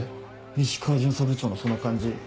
石川巡査部長のその感じ